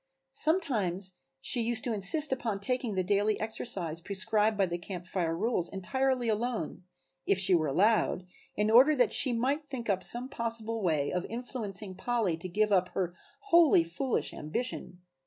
Sometimes she used to insist upon taking the daily exercise prescribed by the Camp Fire rules entirely alone, if she were allowed, in order that she might think up some possible way of influencing Polly to give up her wholly foolish ambition.